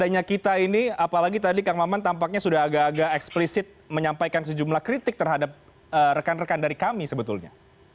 adanya kita ini apalagi tadi kang maman tampaknya sudah agak agak eksplisit menyampaikan sejumlah kritik terhadap rekan rekan dari kami sebetulnya